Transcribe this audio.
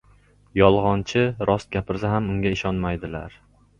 • Yolg‘onchi rost gapirsa ham unga ishonmaydilar.